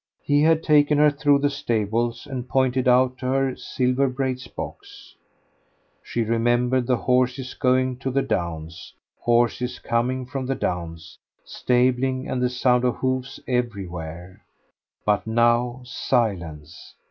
He had taken her through the stables and pointed out to her Silver Braid's box. She remembered the horses going to the downs, horses coming from the downs stabling and the sound of hoofs everywhere. But now silence.